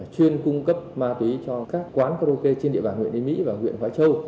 chuyên cung cấp ma túy cho các quán karaoke trên địa bàn huyện yên mỹ và huyện khói châu